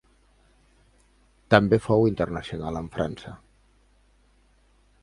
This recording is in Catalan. També fou internacional amb França.